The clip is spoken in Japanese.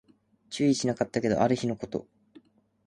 注意しなかったけど、ある日のこと